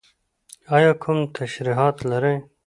ایا کوم ترشحات لرئ؟